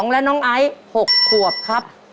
แล้วน้องไออิหกขวบครับ